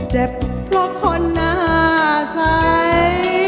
เจ็บเพราะคนหน้าใส